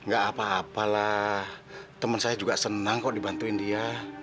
gak apa apalah temen saya juga senang kok dibantuin dia